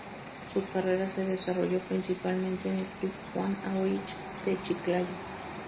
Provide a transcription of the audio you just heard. Su carrera se desarrolló principalmente en el club Juan Aurich de Chiclayo.